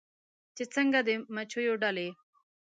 چې څنګه د مچېو ډلې